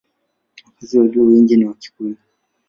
Wakazi walio wengi ni Wakikuyu.